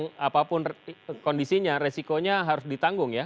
nah apapun kondisinya resikonya harus ditanggung ya